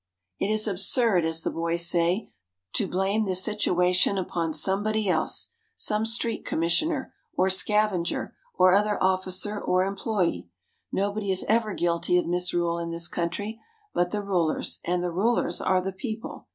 It is absurd, as the boys say, to "blame" this situation upon somebody else some street commissioner, or scavenger, or other officer, or employé. Nobody is ever guilty of misrule in this country but the rulers, and the rulers are the people.